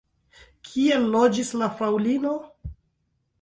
Kie loĝis la fraŭlino?